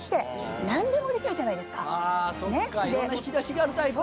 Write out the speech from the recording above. いろんな引き出しがあるタイプだ。